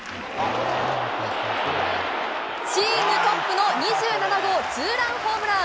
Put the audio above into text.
チームトップの２７号ツーランホームラン。